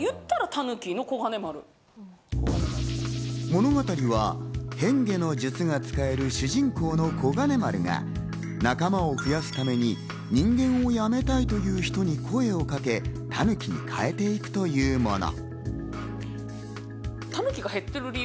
物語は変化の術が使える主人公のこがね丸が仲間を増やすために人間をやめたいという人に声をかけ、タヌキに変えていくというもの。